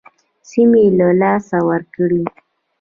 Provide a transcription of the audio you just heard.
سیمې یې له لاسه ورکړې.